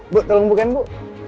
bu tolong bukain bu